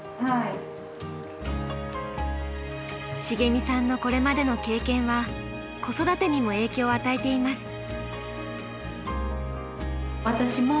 しげみさんのこれまでの経験は子育てにも影響を与えています。